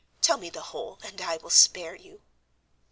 Tell me the whole and I will spare you."